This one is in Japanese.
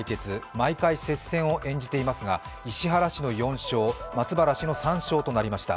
毎回接戦を演じていますが、石原氏の４勝、松原氏の３勝となりました。